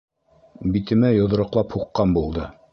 Битемә йоҙроҡлап һуҡҡан булды.